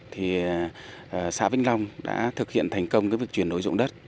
thì xã vĩnh long đã thực hiện thành công việc chuyển đổi dụng đất